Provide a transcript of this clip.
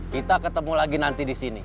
kita ketemu lagi nanti disini